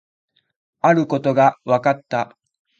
あることが分かった